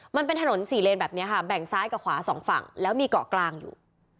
มันเป็นถนนสี่เลนแบบนี้ค่ะแบ่งซ้ายกับขวาสองฝั่งแล้วมีเกาะกลางอยู่